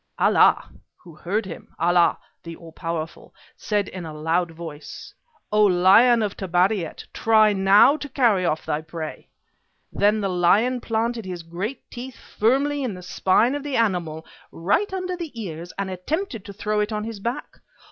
Allah, who heard him, Allah, the All powerful, said in a loud voice, 'O lion of Tabariat, try now to carry off thy prey!' Then the lion planted his great teeth firmly in the spine of the animal, right under the ears, and attempted to throw it on his back.